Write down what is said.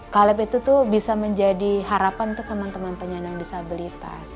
caleb itu tuh bisa menjadi harapan untuk teman teman penyandang disabilitas